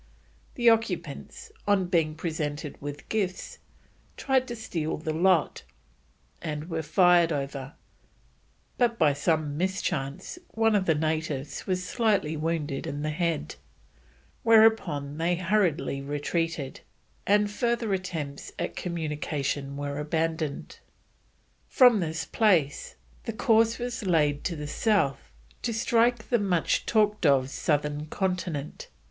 The occupants, on being presented with gifts, tried to steal the lot, and were fired over, but by some mischance one of the natives was slightly wounded in the head, whereupon they hurriedly retreated, and further attempts at communication were abandoned. From this place the course was laid to the south to strike the much talked of Southern Continent.